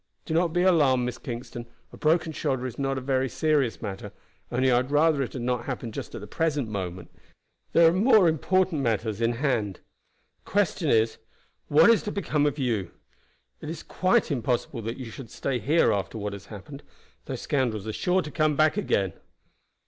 "Do not be alarmed, Miss Kingston; a broken shoulder is not a very serious matter, only I would rather it had not happened just at the present moment; there are more important affairs in hand. The question is, What is to become of you? It is quite impossible that you should stay here after what has happened. Those scoundrels are sure to come back again."